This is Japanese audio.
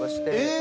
え！